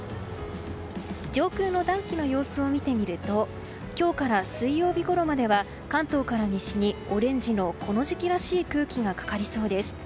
上空の暖気の様子を見てみると今日から水曜日ごろまでは関東から西にオレンジのこの時期らしい空気がかかりそうです。